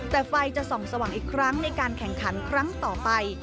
แต่ไฟจะส่องสว่างอีกครั้งในการแข่งขันครั้งต่อไป